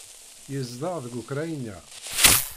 Yezdeɣ deg Ukṛanya.